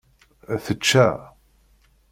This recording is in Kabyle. Tečča.